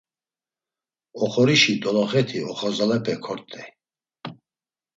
Oxorişi doloxeti oxorzalepe kort̆ey.